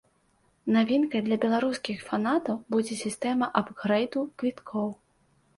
Навінкай для беларускіх фанатаў будзе сістэма апгрэйду квіткоў.